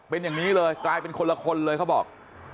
เป็นอย่างนี้เลยกลายเป็นคนละคนเลยเขาบอก